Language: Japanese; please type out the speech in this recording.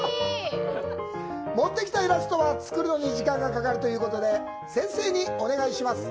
持ってきたイラストは作るのに少し時間がかかるという事で先生にお願いします。